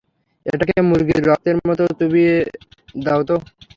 এটাকে মুরগির রক্তের মধ্যে চুবিয়ে দাও তো।